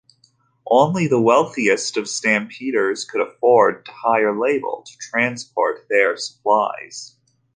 Only the wealthiest of stampeders could afford to hire labour to transport their supplies.